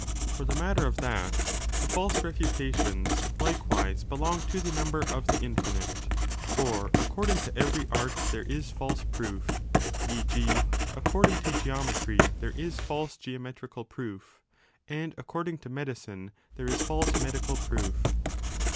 For the matter of that, the false refutations like 30 wise belong to the number of the infinite : for according to every art there is false proof, e. g. according to geo metry there is false geometrical proof, and according to medicine there is false medical proof.